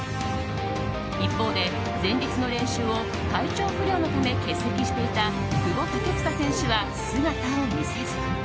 一方で前日の練習を体調不良のため欠席していた久保建英選手は姿を見せず。